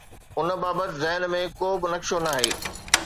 ان بابت ذهن ۾ ڪو به نقشو ناهي.